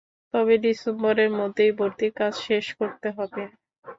তবে ডিসেম্বরের মধ্যেই ভর্তির কাজ শেষ করতে হবে।